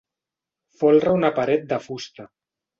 Folra una paret de fusta.